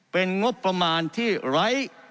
เป็นงบประมาณที่ไร้